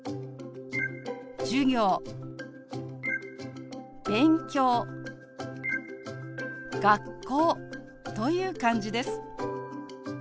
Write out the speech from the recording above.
「授業」「勉強」「学校」という感じです。